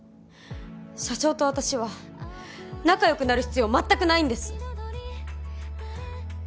社長と私は仲よくなる必要全くないんです！